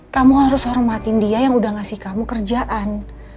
kamu harus hormati dia yang sudah memberi kamu kerjaan